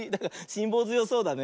しんぼうづよそうだね。